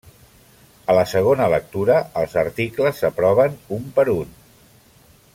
A la segona lectura, els articles s'aproven un per un.